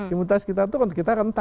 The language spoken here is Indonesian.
imunitas kita turun kita rentan